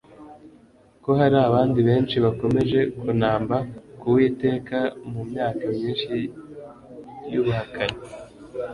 ko hari abandi benshi bakomeje kunamba ku Uwiteka mu myaka myinshi yubuhakanyi